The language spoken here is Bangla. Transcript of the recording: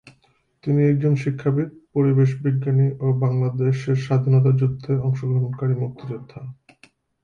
তিনি একজন শিক্ষাবিদ, পরিবেশ বিজ্ঞানী ও বাংলাদেশের স্বাধীনতা যুদ্ধে অংশগ্রহণকারী মুক্তিযোদ্ধা।